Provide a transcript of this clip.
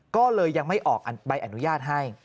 ก็เลยยังไม่ออกใบอนุญาตให้